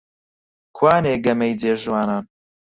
کوانێ گەمەی جێ ژوانان؟